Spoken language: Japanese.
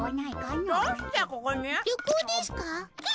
旅行ですかあ？